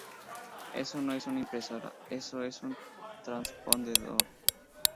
eso no es una impresora. eso es un transpondedor.